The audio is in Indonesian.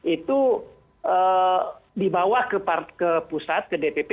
itu dibawa ke pusat ke dpp